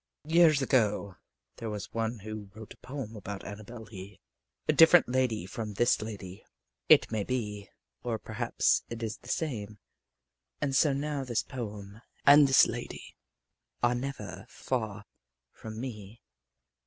Years ago there was one who wrote a poem about Annabel Lee a different lady from this lady, it may be, or perhaps it is the same and so now this poem and this lady are never far from me.